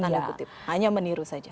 tanda kutip hanya meniru saja